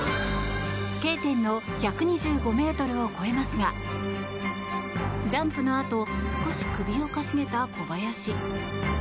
Ｋ点の１２５ｍを越えますがジャンプのあと少し首を傾げた小林。